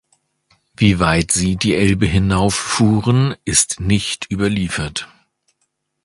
Wie weit sie die Elbe hinauf fuhren, ist nicht überliefert.